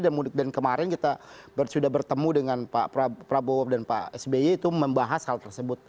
dan kemarin kita sudah bertemu dengan pak prabowo dan pak sby itu membahas hal tersebut